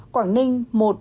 một quảng ninh